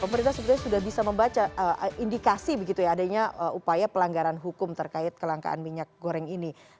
pemerintah sudah bisa membaca indikasi adanya upaya pelanggaran hukum terkait kelangkaan minyak goreng ini